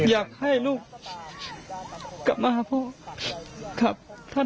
อยากให้ลูกกลับมาหาพ่อครับ